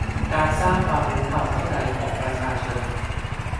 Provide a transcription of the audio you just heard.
การสร้างความรู้ความเข้าใจของประชาชน